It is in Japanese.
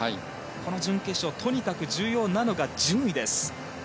この準決勝とにかく重要なのが順位です。